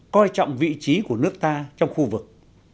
coi trọng vị trí của nước ta trong khu vực